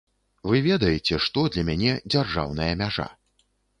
Вы ведаеце, што для мяне дзяржаўная мяжа.